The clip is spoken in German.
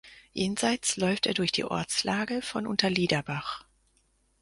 Jenseits läuft er durch die Ortslage von Unterliederbach.